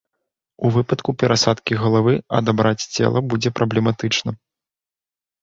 У выпадку перасадкі галавы адабраць цела будзе праблематычна.